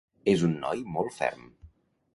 És un noi molt ferm.